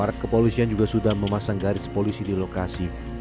aparat kepolisian juga sudah memasang garis polisi di lokasi